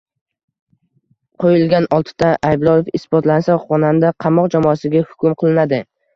Qo‘yilgan oltita ayblov isbotlansa, xonanda qamoq jazosiga hukm qilinadi